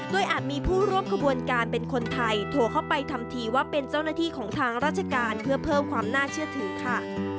โดยอาจมีผู้ร่วมขบวนการเป็นคนไทยโทรเข้าไปทำทีว่าเป็นเจ้าหน้าที่ของทางราชการเพื่อเพิ่มความน่าเชื่อถือค่ะ